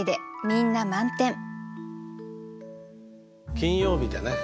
金曜日でね